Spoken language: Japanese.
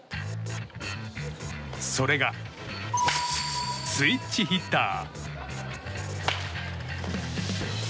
それがスイッチヒッター。